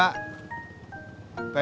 doa terang bapak